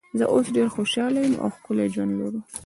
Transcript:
زه اوس ډېره خوشاله یم او ښکلی ژوند لرو.